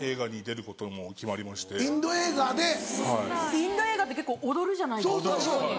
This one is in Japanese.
インド映画って結構踊るじゃないですか。